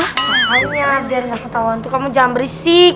ah ya biar gak ketauan tuh kamu jangan berisik